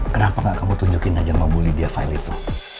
kenapa nggak kamu tunjukin aja mau bully dia file itu